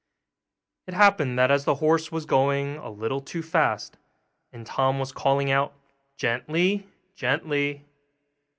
It happened that as the horse was going a little too fast, and Tom was calling out, 'Gently! gently!